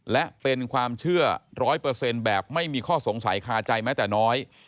และเป็นความเชื่อ๑๐๐แบบไม่มีข้อสงสัยคาใจแม้แต่น้อย